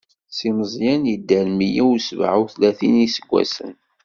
Si Meẓyan yedder meyya u sebɛa u tlatin n iseggasen.